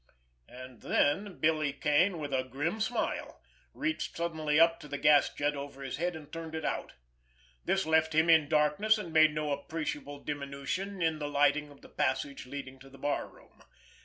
And then Billy Kane, with a grim smile, reached suddenly up to the gas jet over his head and turned it out. This left him in darkness and made no appreciable diminution in the lighting of the passage leading to the barroom.